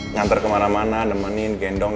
ngantar kemana mana nemenin gendong